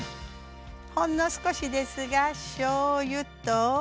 ほんの少しですがしょうゆと。